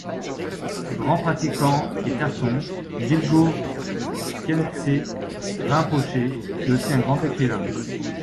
Grand pratiquant et tertön, Dilgo Khyentsé Rinpoché fut aussi un grand écrivain.